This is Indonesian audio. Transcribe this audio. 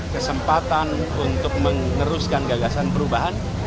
kesempatan untuk meneruskan gagasan perubahan